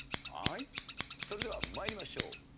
はいそれでは参りましょう。